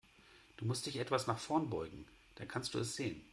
Du musst dich etwas nach vorn beugen, dann kannst du es sehen.